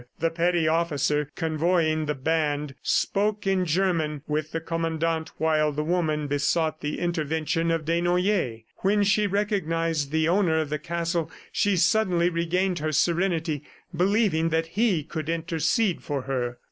The petty officer convoying the band spoke in German with the Commandant while the woman besought the intervention of Desnoyers. When she recognized the owner of the castle, she suddenly regained her serenity, believing that he could intercede for her.